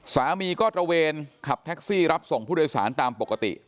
สามีก็ตระเวนขับแท็กซี่รับส่งผู้โดยสารตามปกติ